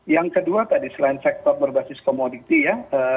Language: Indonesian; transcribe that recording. yang kedua tadi selain sektor berbasis komoditi ya